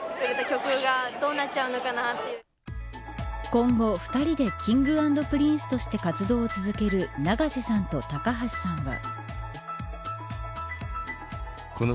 今後２人でＫｉｎｇ＆Ｐｒｉｎｃｅとして活動を続ける永瀬さんと高橋さんは。